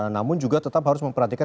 namun juga tetap harus memperhatikan